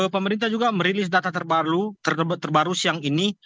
pemerintah juga merilis data terbaru siang ini